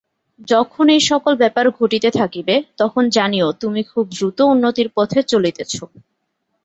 যখন এই-সকল ব্যাপার ঘটিতে থাকিবে, তখন জানিও তুমি খুব দ্রুত উন্নতির পথে চলিতেছ।